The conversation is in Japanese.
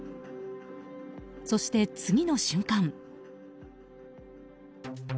そして次の瞬間。